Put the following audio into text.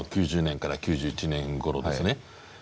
９０年から９１年ごろですね